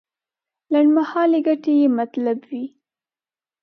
لنډمهالې ګټې یې مطلب وي.